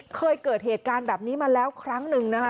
เคยเกิดเหตุการณ์แบบนี้มาแล้วครั้งหนึ่งนะคะ